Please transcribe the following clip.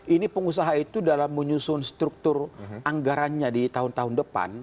ini pengusaha itu dalam menyusun struktur anggarannya di tahun tahun depan